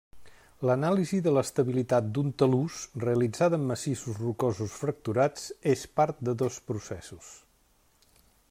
L'anàlisi de l'estabilitat d'un talús realitzada en massissos rocosos fracturats, és part de dos processos.